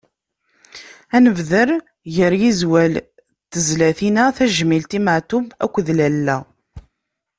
Ad nebder gar yizwal n tezlatin-a: Tajmilt i Matoub akked lalla.